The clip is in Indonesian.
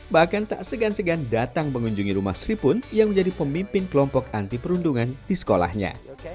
bahkan tak segan segan datang mengunjungi rumah sri pun yang menjadi pemimpin kelompok anti perundungan di sekolahnya